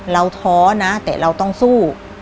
ท้อนะแต่เราต้องสู้